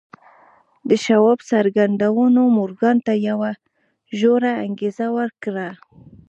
د شواب څرګندونو مورګان ته یوه ژوره انګېزه ورکړه